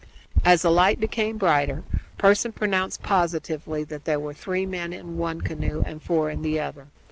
As the light became brighter Pearson pronounced, positively, that there were three men in one canoe and four in the other.